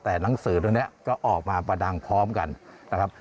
แต่หนังสือตรงนี้ก็ออกมาประดังพร้อมกันนะครับ